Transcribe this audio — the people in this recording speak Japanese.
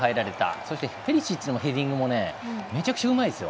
そしてペリシッチのヘディングもめちゃくちゃうまいですよ。